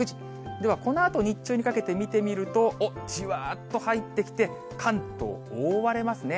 ではこのあと日中にかけて見てみると、おっ、じわーっと入ってきて、関東覆われますね。